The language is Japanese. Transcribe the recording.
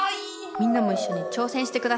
みんなもいっしょに挑戦してください。